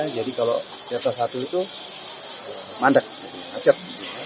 jadi kalau di atas satu itu mandek macet